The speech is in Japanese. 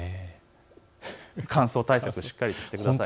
乾燥対策をしっかりしてください。